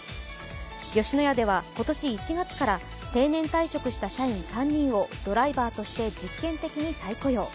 吉野家では今年１月から定年退職した社員３人をドライバーとして実験的に再雇用。